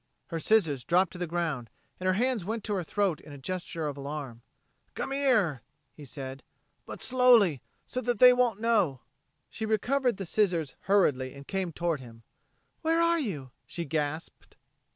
Her scissors dropped to the ground and her hands went to her throat in a gesture of alarm. "Come here," he said. "But slowly so that they won't know." She recovered the scissors hurriedly and came toward him. "Where are you?" she gasped.